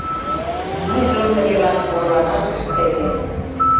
Мыйжым тыгелан орланаш ыштеве.